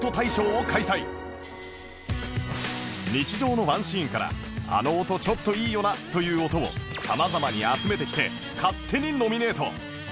日常のワンシーンからあの音ちょっといいよなという音をさまざまに集めてきて